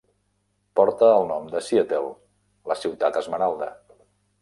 Porta el nom de Seattle, la Ciutat Esmeralda.